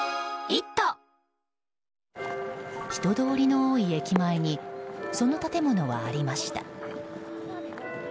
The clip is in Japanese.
人通りの多い駅前にその建物はありました。